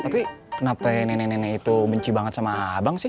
tapi kenapa nenek nenek itu benci banget sama abang sih